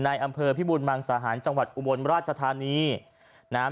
ในอำเภอพิบุญบางสหรรษ์จังหวัดอุบลราชธานีนะฮะ